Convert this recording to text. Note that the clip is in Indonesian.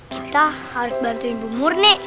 kita harus bantuin bu murni